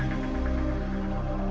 mereka selalu bersama dan cyclist